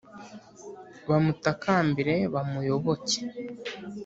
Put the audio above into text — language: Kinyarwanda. Bamutakambire bamuyoboke